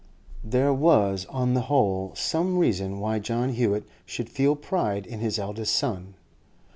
There was, on the whole, some reason why John Hewett should feel pride in his eldest son.